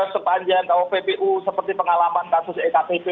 sepanjang kalau ppu seperti pengalaman kasus ektp